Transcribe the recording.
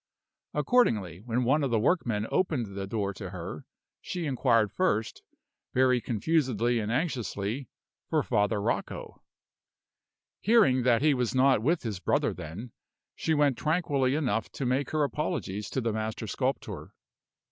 Accordingly, when one of the workmen opened the door to her, she inquired first, very confusedly and anxiously, for Father Rocco. Hearing that he was not with his brother then, she went tranquilly enough to make her apologies to the master sculptor.